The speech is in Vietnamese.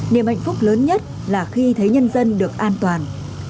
niềm hạnh phúc lớn nhất là khi thấy nhân dân được an toàn